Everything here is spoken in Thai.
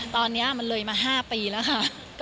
ตอนนี้มันเลยมา๕ปีแล้วค่ะ